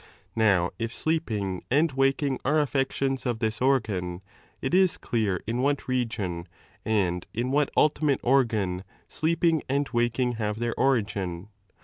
Now, if sleeping and I waking are aflections of this organ, it is clear in what I legion and in what ultimate organ, sleeping and waking I have their origin.